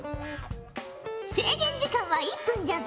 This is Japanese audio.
制限時間は１分じゃぞ。